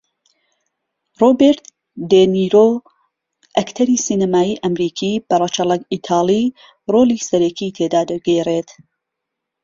رۆبێرت دێنیرۆ ئەکتەری سینەمایی ئەمریکی بە رەچەڵەک ئیتاڵی رۆڵی سەرەکی تێدا دەگێڕێت